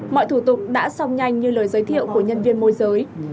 mọi thủ tục đã xong nhanh như lời giới thiệu của nhân viên môi giới